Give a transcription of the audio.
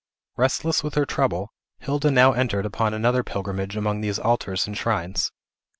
Restless with her trouble, Hilda now entered upon another pilgrimage among these altars and shrines.